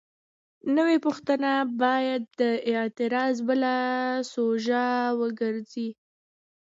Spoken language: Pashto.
نوې غوښتنه باید د اعتراض بله سوژه وګرځي.